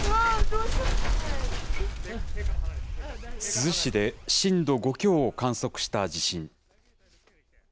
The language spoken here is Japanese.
珠洲市で震度５強を観測した地震。